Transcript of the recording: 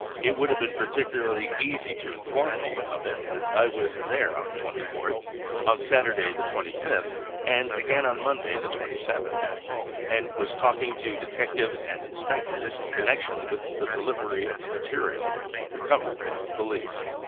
It would have been particularly easy to inform me of it as I was there on the 24th, on Saturday the 25th, and again on Monday the 27th, and was talking to detectives and inspectors in connection with the delivery of the material recovered from the police.